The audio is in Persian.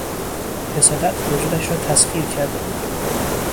حسادت وجودش را تسخیر کرده بود.